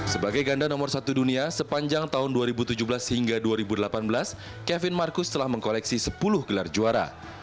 sebagai ganda nomor satu dunia sepanjang tahun dua ribu tujuh belas hingga dua ribu delapan belas kevin marcus telah mengkoleksi sepuluh gelar juara